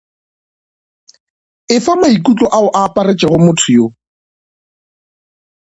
Efa maikutlo ao a aparetšego motho yo.